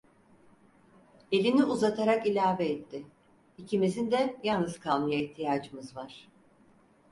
Elini uzatarak ilave etti: "ikimizin de yalnız kalmaya ihtiyacımız var."